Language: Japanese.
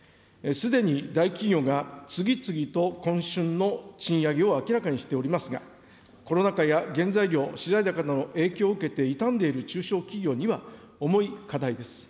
すでに大企業が次々と今春の賃上げを明らかにしておりますが、コロナ禍や原材料、資材高の影響を受けて傷んでいる中小企業には、重い課題です。